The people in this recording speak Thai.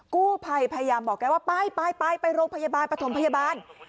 กู้ภัยพยายามบอกแกว่าไปไปโรงพยาบาลปฐมพยาบาล